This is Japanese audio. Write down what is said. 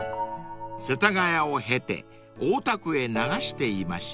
世田谷を経て大田区へ流していました］